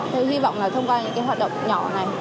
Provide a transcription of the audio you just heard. tôi hy vọng là thông qua những cái hoạt động nhỏ này